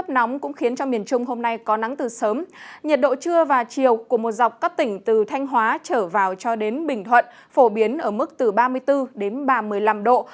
các tỉnh từ thanh hóa trở vào cho đến bình thuận phổ biến ở mức từ ba mươi bốn ba mươi năm độ